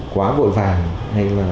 quá vội vàng hay là